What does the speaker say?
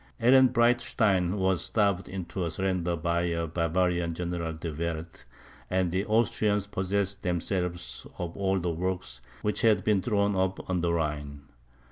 Ehrenbreitstein was starved into a surrender by the Bavarian General de Werth, and the Austrians possessed themselves of all the works which had been thrown up on the Rhine.